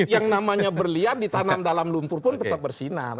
yang namanya berlian ditanam dalam lumpur pun tetap bersinar